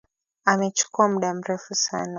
Amechukua muda mrefu sana.